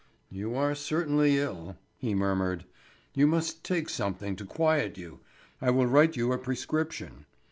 "You are certainly ill," he murmured. "You must take something to quiet you. I will write you a prescription."